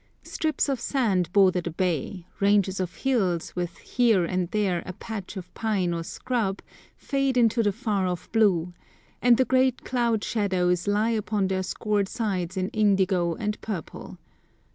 Strips of sand border the bay, ranges of hills, with here and there a patch of pine or scrub, fade into the far off blue, and the great cloud shadows lie upon their scored sides in indigo and purple.